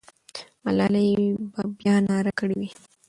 ملالۍ به بیا ناره کړې وي.